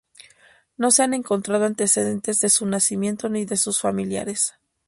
No se han encontrado antecedentes de su nacimiento ni de sus familiares.